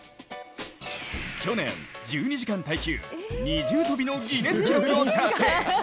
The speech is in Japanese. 去年、１２時間耐久、二重跳びのギネス記録を達成。